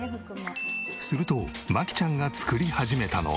すると真姫ちゃんが作り始めたのは。